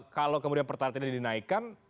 kalau kemudian pertalatannya dinaikkan